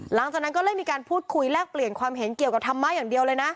หลังจากนั้นก็เลยมีการพูดคุยแลกเปลี่ยนความเห็นเกี่ยวกับธรรมะอย่างเดียวเลยนะ